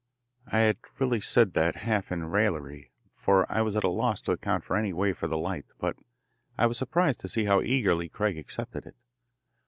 I had really said that half in raillery, for I was at a loss to account in any other way for the light, but I was surprised to see how eagerly Craig accepted it.